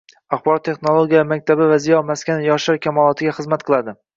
Axborot texnologiyalari maktabi va ziyo maskani yoshlar kamolotiga xizmat qilading